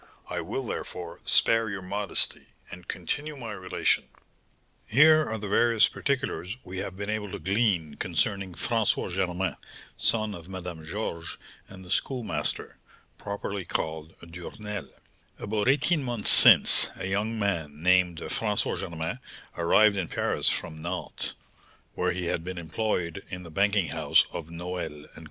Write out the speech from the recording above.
I will, therefore, spare your modesty, and continue my relation. Here are the various particulars we have been able to glean concerning François Germain, son of Madame Georges and the Schoolmaster, properly called Duresnel: "About eighteen months since, a young man, named François Germain, arrived in Paris from Nantes, where he had been employed in the banking house of Noël and Co.